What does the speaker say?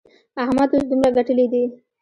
احمد اوس دومره ګټلې دي.